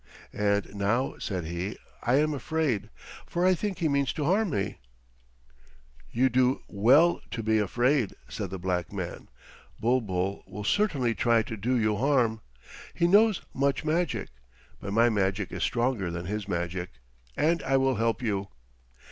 "And now," said he, "I am afraid, for I think he means harm to me." "You do well to be afraid," said the black man. "Bulbul will certainly try to do you harm. He knows much magic, but my magic is stronger than his magic, and I will help you.